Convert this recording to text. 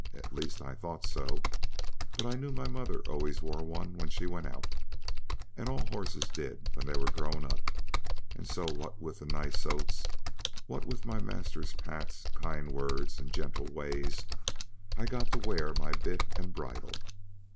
at least I thought so; but I knew my mother always wore one when she went out, and all horses did when they were grown up; and so, what with the nice oats, and what with my master's pats, kind words, and gentle ways, I got to wear my bit and bridle.